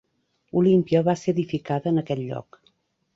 Olímpia va ser edificada en aquest lloc.